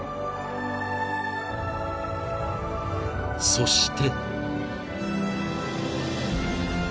［そして］